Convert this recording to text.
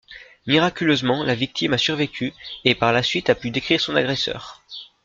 Miraculeusement la victime a survécu et, par la suite, a pu décrire son agresseur.